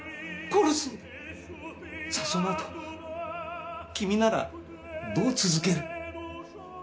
さあその後君ならどう続ける？